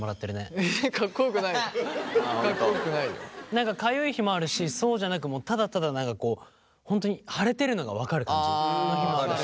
何かかゆい日もあるしそうじゃなくもうただただ何かこう本当に腫れてるのが分かる感じの日もあるし。